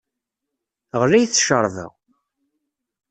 Ɣlayet cceṛba!